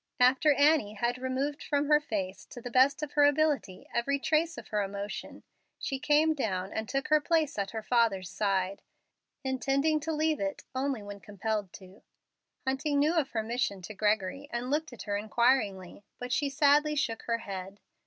After Annie had removed from her face, to the best of her ability, every trace of her emotion, she came down and took her place at her father's side, intending to leave it only when compelled to. Hunting knew of her mission to Gregory, and looked at her inquiringly, but she sadly shook her head.